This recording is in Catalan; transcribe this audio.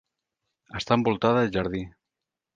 Està envoltada de jardí.